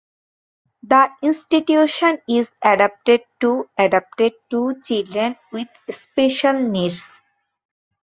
The institution is adapted to adapted to children with special needs.